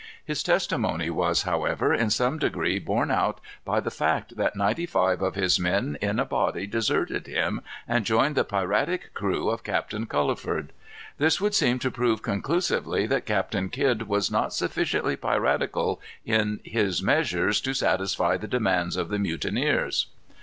His testimony was, however, in some degree borne out by the fact that ninety five of his men in a body deserted him, and joined the piratic crew of Captain Culliford. This would seem to prove conclusively that Captain Kidd was not sufficiently piratical in his measures to satisfy the demands of the mutineers.